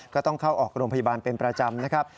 ก็ต้องเข้าออกโรงพยาบาลเป็นประจำนะครับ